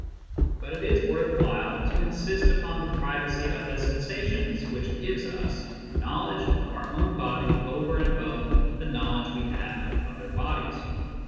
But it is worth while to insist upon the privacy of the sensations which gives us knowledge of our own body over and above the knowledge we have of other bodies.